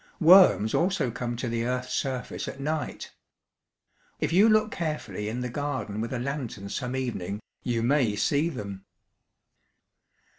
Worms also come to the earth's surface at night. If you look carefully in the garden with a lantern some evening, you may see them."